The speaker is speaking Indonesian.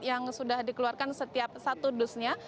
yang sudah dikeluarkan setiap satu dusnya